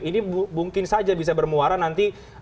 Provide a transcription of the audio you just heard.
ini mungkin saja bisa bermuara nanti